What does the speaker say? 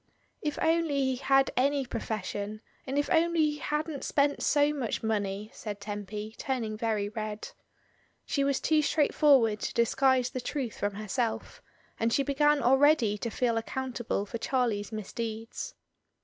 "If only he had any profession, and if only he hadn't spent so much money," said Tempy, turning very red. She was too straightforward to disguise the truth from herself, and she began already to feel accountable for Charlie's misdeeds.